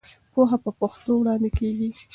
پوهه په پښتو وړاندې کېږي.